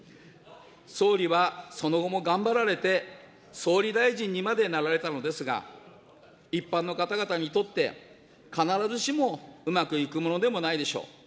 総理はその後も頑張られて総理大臣にまでなられたのですが、一般の方々にとって、必ずしもうまくいくものでもないでしょう。